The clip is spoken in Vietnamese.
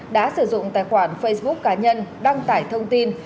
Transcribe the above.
đã sử dụng tài khoản facebook cá nhân đăng tải thông tin